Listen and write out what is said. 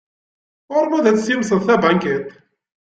Ɣur-m ad tessimseḍ tabankiṭ.